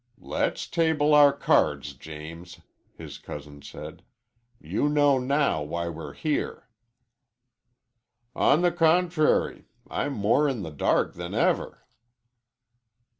"Let's table our cards, James," his cousin said. "You know now why we're here." "On the contrary, I'm more in the dark than ever."